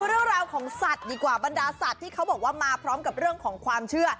เรื่องราวของสัตว์ดีกว่าบรรดาสัตว์ที่เขาบอกว่ามาพร้อมกับเรื่องของความเชื่อ